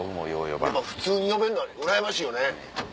やっぱ普通に呼べんのはうらやましいよね。